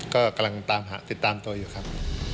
ก็กำลังตามหาติดตามตัวอยู่ครับ